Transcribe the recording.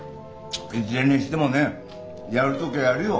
いずれにしてもねやる時はやるよ。